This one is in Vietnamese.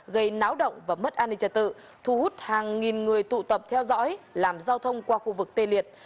gây náo động và mất an ninh trật tự thu hút hàng nghìn người tụ tập theo dõi làm giao thông qua khu vực tê liệt